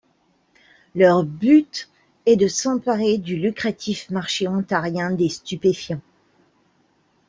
Leur but est de s'emparer du lucratif marché ontarien des stupéfiants.